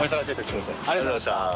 複腺早田）ありがとうございました。